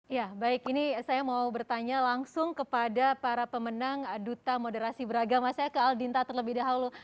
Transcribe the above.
ya baik ini saya mau bertanya langsung kepada para pemenang duta moderasi beragama saya ke aldinta terlebih dahulu